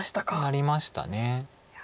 なりました。